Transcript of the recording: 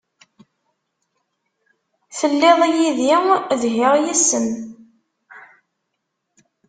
Telliḍ yid-i dhiɣ yes-m.